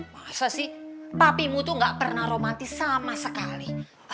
masa sih tapimu tuh gak pernah romantis sama sekali